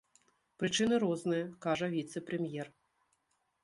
Прычыны розныя, кажа віцэ-прэм'ер.